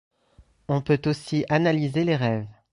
On peut aussi analyser les rêves.